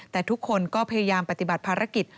แต่ทุกคนก็พยายามปฏิบัติภารกิจ